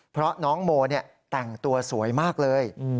เพราะน้องโมแต่งตัวสวยมากเลย